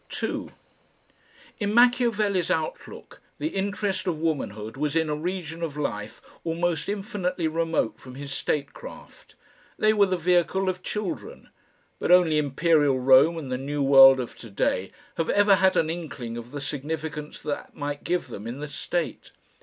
2 In Machiavelli's outlook the interest of womanhood was in a region of life almost infinitely remote from his statecraft. They were the vehicle of children, but only Imperial Rome and the new world of to day have ever had an inkling of the significance that might give them in the state.